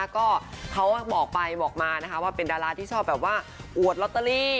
ก็เขาบอกไปบอกมานะคะว่าเป็นดาราที่ชอบแบบว่าอวดลอตเตอรี่